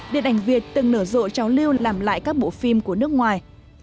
điện ảnh việt từng nở rộ trào lưu làm lại các bộ phim của nước ngoài